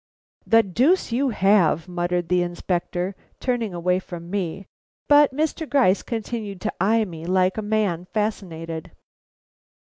"The deuce you have!" muttered the Inspector, turning away from me; but Mr. Gryce continued to eye me like a man fascinated.